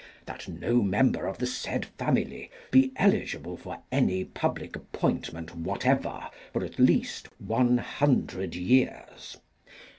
That no member of the said Family be eligible for any public appointment whatever for at least one hundred years.